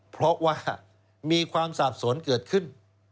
เพราะว่ามีความสาบสนเกิดขึ้น